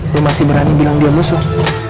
dia masih berani bilang dia musuh